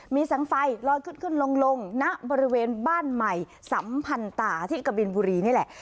มีแสงไฟลอยขึ้นขึ้นลงณบริเวณบ้านใหม่สัมพันตาที่กะบินบุรีนี่แหละ